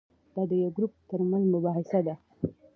دا د یو ګروپ ترمنځ مباحثه ده.